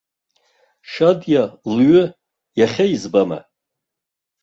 Шьадиа лҩы иахьа избама!